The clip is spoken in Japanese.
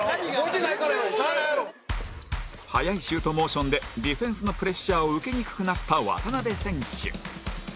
速いシュートモーションでディフェンスのプレッシャーを受けにくくなった渡邊選手